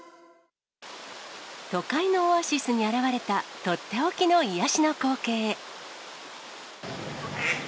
都会のオアシスに現れた取って置きの癒やしの光景。